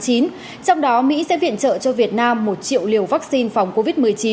trong đó mỹ sẽ viện trợ cho việt nam một triệu liều vaccine phòng covid một mươi chín